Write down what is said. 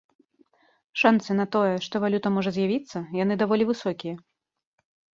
Шанцы на тое, што валюта можа з'явіцца, яны даволі высокія.